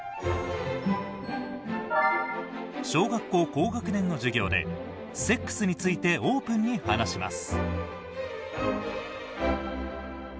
小学校高学年の授業でセックスについてオープンに話します。